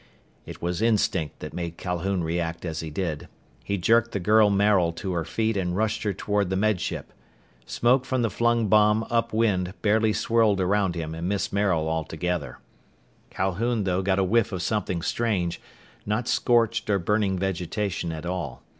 It was instinct that made Calhoun react as he did. He jerked the girl Maril to her feet and rushed her toward the Med Ship. Smoke from the flung bomb upwind barely swirled around him and missed Maril altogether. Calhoun, though, got a whiff of something strange, not scorched or burning vegetation at all.